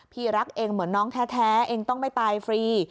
พี่รักเองเหมือนน้องแท้เองต้องไม่ตายฟรี